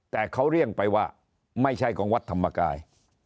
แต่เขาเรียกไปว่าไม่ใช่ของวัดธรรมกาย